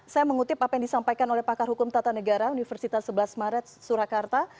saya mengutip apa yang disampaikan oleh pakar hukum tata negara universitas sebelas maret surakarta